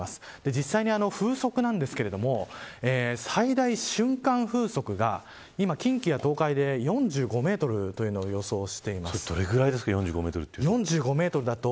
実際に風速なんですが最大瞬間風速が今、近畿や東海で４５メートルというのをどれぐらいですか４５メートルって。